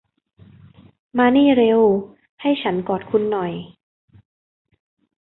มานี่เร็ว ให้ฉันกอดคุณหน่อย